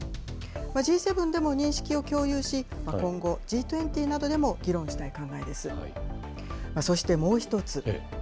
Ｇ７でも認識を共有し、今後、Ｇ２０などでも議論したい考えです。